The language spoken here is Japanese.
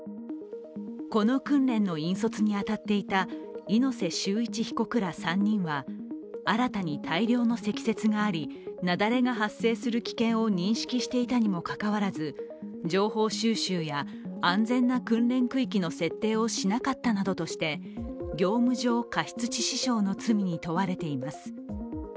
この訓練の引率に当たっていた猪瀬修一被告ら３人は新たに大量の積雪があり、雪崩が発生する危険を認識していたにもかかわらず情報収集や安全な訓練区域の設定をしなかったなどとして業務上過失致死傷の罪に問われています。